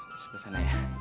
di sebelah situ